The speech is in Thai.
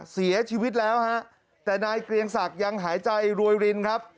เสียชีวิตแล้วฮะแต่นายเกรียงศักดิ์ยังหายใจรวยรินครับ